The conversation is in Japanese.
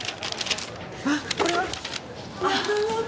あっこれは？やだ